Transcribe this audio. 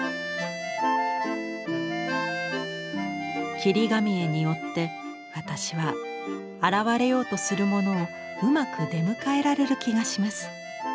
「切り紙絵によって私は現れようとするものをうまく出迎えられる気がします。